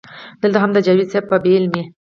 دلته هم د جاوېد صېب پۀ بې علمۍ